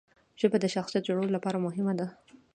ژبه د شخصیت جوړونې لپاره مهمه ده.